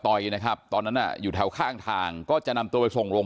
ต่อยนะครับตอนนั้นน่ะอยู่แถวข้างทางก็จะนำตัวไปส่งโรง